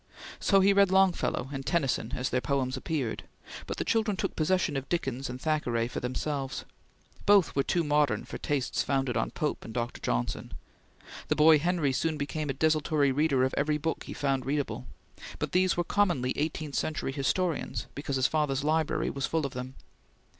So he read Longfellow and Tennyson as their poems appeared, but the children took possession of Dickens and Thackeray for themselves. Both were too modern for tastes founded on Pope and Dr. Johnson. The boy Henry soon became a desultory reader of every book he found readable, but these were commonly eighteenth century historians because his father's library was full of them.